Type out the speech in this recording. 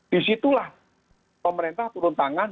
disitulah pemerintah turun tangan